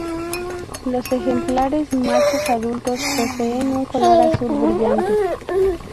Los ejemplares machos adultos poseen un color azul brillante.